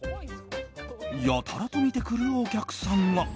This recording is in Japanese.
やたらと見てくるお客さんが。